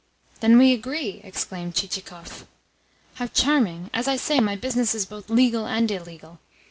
"Then we agree!" exclaimed Chichikov. "How charming! As I say, my business is both legal and illegal.